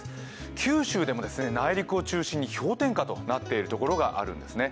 九州でも内陸を中心に氷点下となっているところがあるんですね。